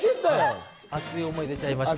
熱い思いが出ちゃいました。